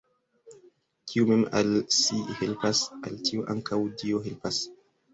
Kiu mem al si helpas, al tiu ankaŭ Dio helpas!